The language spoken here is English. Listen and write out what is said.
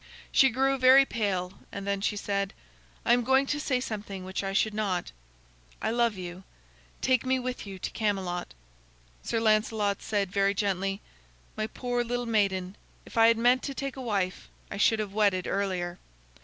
She grew very pale and then she said: "I am going to say something which I should not. I love you. Take me with you to Camelot." Sir Lancelot said very gently: "My poor little maiden, if I had meant to take a wife, I should have wedded earlier.